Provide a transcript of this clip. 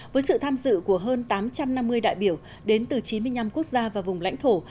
với sự tham dự của hơn tám trăm năm mươi đại biểu đến từ chín mươi năm quốc gia và vùng lãnh thổ